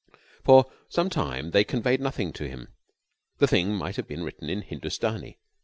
For some time they conveyed nothing to him. The thing might have been written in Hindustani.